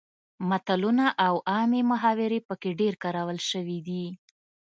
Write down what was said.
متلونه او عامې محاورې پکې ډیر کارول شوي دي